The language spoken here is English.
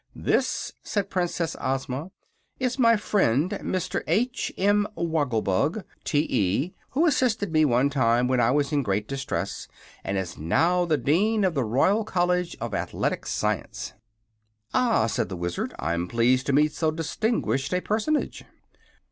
"This," said Princess Ozma, "is my friend Mr. H. M. Woggle Bug, T. E., who assisted me one time when I was in great distress, and is now the Dean of the Royal College of Athletic Science." "Ah," said the Wizard; "I'm pleased to meet so distinguished a personage."